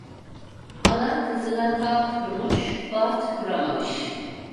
Ana kızına taht kurmuş, baht kuramamış.